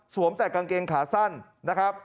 แต่กางเกงขาสั้นนะครับ